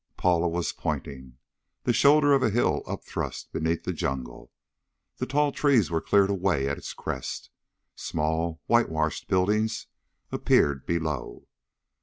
Paula was pointing. The shoulder of a hill upthrust beneath the jungle. The tall trees were cleared away at its crest. Small, whitewashed buildings appeared below.